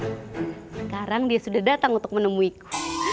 sekarang dia sudah datang untuk menemuiku